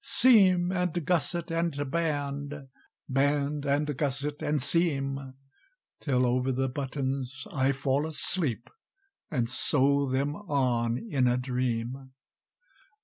Seam, and gusset, and band, Band, and gusset, and seam, Till over the buttons I fall asleep, And sew them on in a dream!